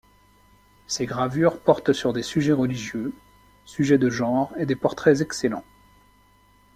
Ses gravures portent sur des sujets religieux, sujets de genre et des portraits excellents.